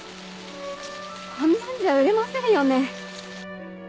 こんなんじゃ売れませんよね。